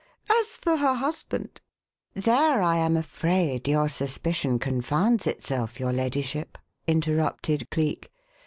As for her husband " "There, I am afraid, your suspicion confounds itself, your ladyship," interrupted Cleek.